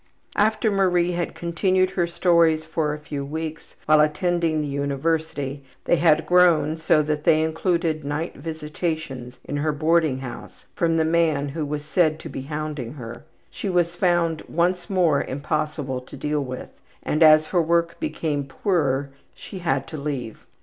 After Marie had continued her stories for a few weeks while attending the university they had grown so that they included night visitations in her boarding house from the man who was said to be hounding her, she was found once more impossible to deal with and, as her work became poorer, she had to leave.